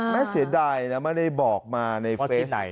เสียดายนะไม่ได้บอกมาในเฟซ